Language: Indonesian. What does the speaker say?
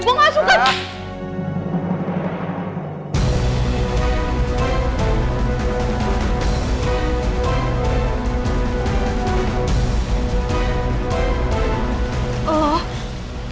gue gak suka